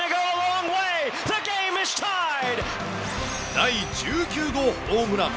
第１９号ホームラン。